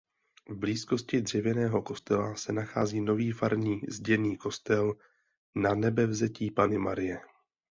V blízkosti dřevěného kostela se nachází nový farní zděný kostel Nanebevzetí Panny Marie.